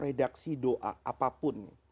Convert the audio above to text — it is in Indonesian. redaksi doa apapun